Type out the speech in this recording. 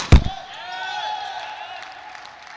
สวัสดีครับ